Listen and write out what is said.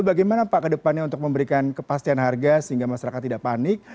bagaimana pak kedepannya untuk memberikan kepastian harga sehingga masyarakat tidak panik